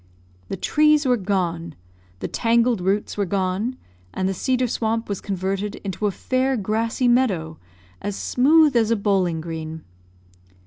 The trees were gone, the tangled roots were gone, and the cedar swamp was converted into a fair grassy meadow, as smooth as a bowling green.